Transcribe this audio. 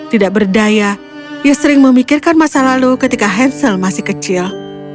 tidak berdaya ia sering memikirkan masa lalu ketika hansel masih kecil